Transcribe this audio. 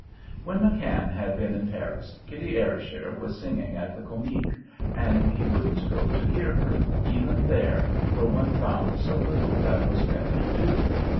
When McKann had been in Paris, Kitty Ayrshire was singing at the Comique, and he wouldn't go to hear her even there, where one found so little that was better to do.